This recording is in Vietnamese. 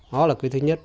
đó là cái thứ nhất